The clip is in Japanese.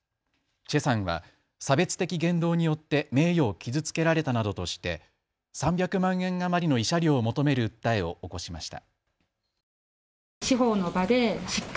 崔さんは差別的言動によって名誉を傷つけられたなどとして３００万円余りの慰謝料を求める訴えを起こしました。